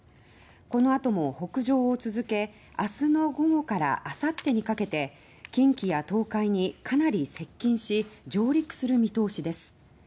このあとも北上を続け明日の午後から明後日にかけて近畿や東海にかなり接近し上陸する見通しです。